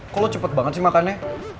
kok lo cepet banget sih makannya